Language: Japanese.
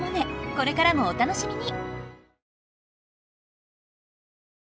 これからもお楽しみに！